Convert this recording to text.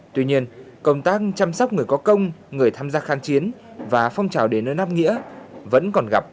tuy nhiên công tác chăm sóc người có công người tham gia kháng chiến và phong trào đến nơi nam nghĩa vẫn còn gặp